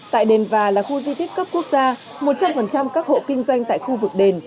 tại đền và là khu di tích cấp quốc gia một trăm linh các hộ kinh doanh tại khu vực đền